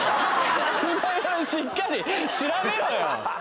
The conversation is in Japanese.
しっかり調べろよ